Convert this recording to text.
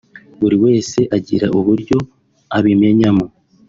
Buri wese agira uburyo abimenyamo